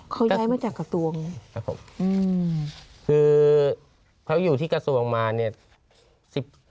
เขาย้ายมาจากกระตวงครับผมอืมคือเขาอยู่ที่กระทรวงมาเนี้ยสิบ